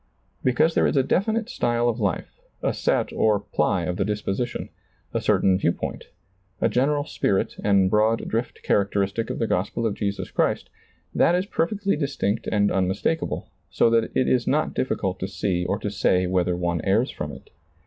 Because there is a definite style of life, a set or ply of the disposition, a certain view point, a general spirit and broad drift charac teristic of the gospel of Jesus Christ, that is per fectly distinct and unmistakable, so that it is not dif ficult to see or to say whether one errs from it.